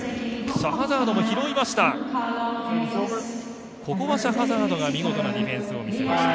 シャハザードも拾いました。